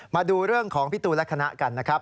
มาดูเรื่องของพี่ตูนและคณะกันนะครับ